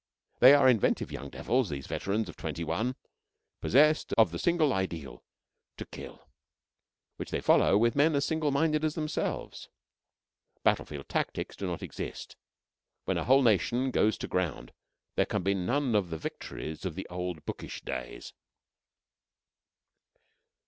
They are inventive young devils, these veterans of 21, possessed of the single ideal to kill which they follow with men as single minded as themselves. Battlefield tactics do not exist; when a whole nation goes to ground there can be none of the "victories" of the old bookish days.